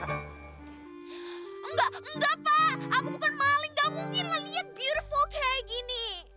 enggak enggak pak aku bukan maling gak mungkin lah lihat purefo kayak gini